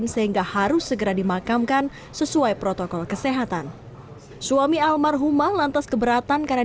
sehingga harus segera dimakamkan sesuai protokol kesehatan suami almarhumah lantas keberatan karena